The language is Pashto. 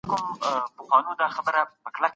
باسواده خلګ د ژوند په چارو ښه پوهیږي.